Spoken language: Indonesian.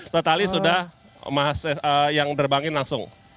totali sudah mas yang derbangin langsung